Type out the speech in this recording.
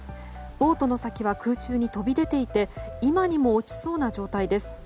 ボートの先は空中に飛び出ていて今にも落ちそうな状態です。